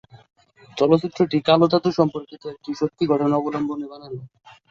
চলচ্চিত্রটি কালো জাদু সম্পর্কিত একটি সত্যি ঘটনা অবলম্বনে বানানো।